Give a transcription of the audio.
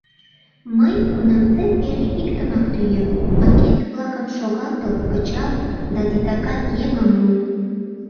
Мый кунамсек эре иктымак тӱем: агент-влакым шогалтыл, кычал да титакан еҥым му.